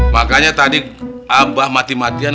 makanya tadi abah mati matian